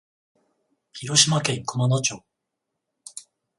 広島県熊野町